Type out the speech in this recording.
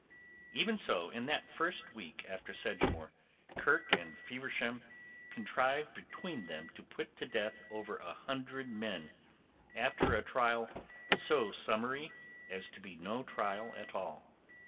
Even so, in that first week after Sedgemoor, Kirke and Feversham contrived between them to put to death over a hundred men after a trial so summary as to be no trial at all.